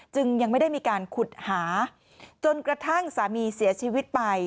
ยังไม่ได้มีการขุดหาจนกระทั่งสามีเสียชีวิตไป